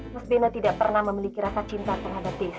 mas beno tidak pernah memiliki rasa cinta terhadap desi